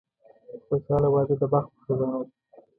خوشاله واده د بخت په خزانه کې.